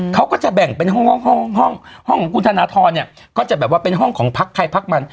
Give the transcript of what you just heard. เขาก็จะแบ่งเป็นห้องห้องของคุณธนทรเนี่ยก็จะแบบว่าเป็นห้องของพักใครพักมัน